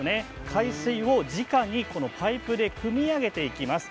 海水をじかにパイプでくみ上げていきます。